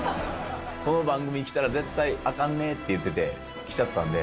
この番組来たら絶対あかんねって言ってて、きちゃったんで。